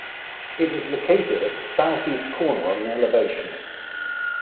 It was located at the southeast corner on an elevation.